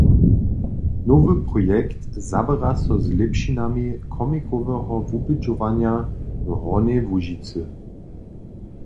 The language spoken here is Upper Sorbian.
Nowy projekt zaběra so z lěpšinami comicoweho wubědźowanja w Hornjej Łužicy.